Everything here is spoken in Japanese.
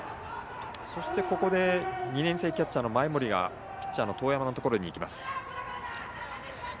ここで２年生キャッチャーの前盛がピッチャーの當山のところに行きます。